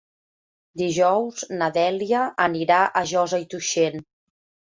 Dijous na Dèlia anirà a Josa i Tuixén.